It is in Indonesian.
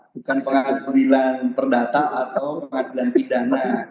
bukan pengadilan perdata atau pengadilan pidana